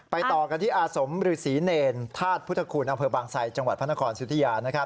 ต่อกันที่อาสมฤษีเนรธาตุพุทธคุณอำเภอบางไซจังหวัดพระนครสุธิยา